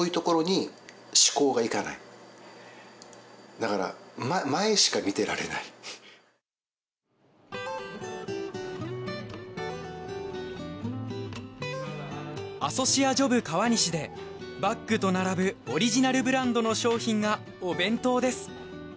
だからアソシア・ジョブ川西でバッグと並ぶオリジナルブランドの商品がお弁当です。